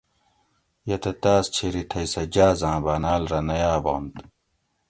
یہ تہ تاۤس چھیری تھئ سہۤ جاۤز آۤں باۤناۤل رہ نہ یابنت